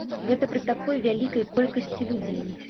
Гэта пры такой вялікай колькасці людзей.